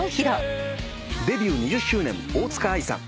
デビュー２０周年大塚愛さん。